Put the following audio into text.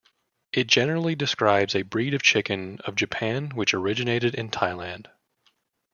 It generally describes a breed of chicken of Japan which originated in Thailand.